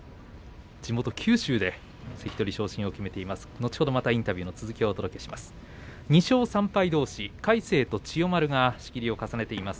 地元・九州で関取昇進を決めています。